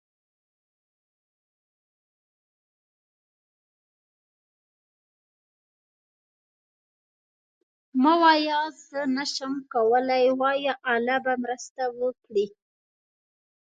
مه وایه زه نشم کولی، وایه الله به مرسته وکړي.